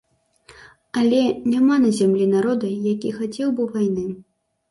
Але няма на зямлі народа, які хацеў бы вайны.